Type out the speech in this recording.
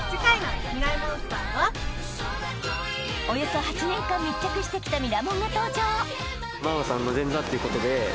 ［およそ８年間密着してきたミラモンが登場］